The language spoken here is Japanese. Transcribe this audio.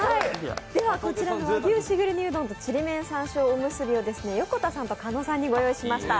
こちらの和牛しぐれ煮うどんとちりめん山椒のおむすびを横田さんと加納さんにご用意しました。